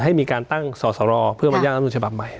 ให้มีการตั้งส่อสรอเพื่อมาย่างลักษณ์ธรรมใหม่